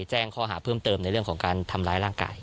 แจ้งข้อหาเพิ่มเติมในเรื่องของการทำร้ายร่างกาย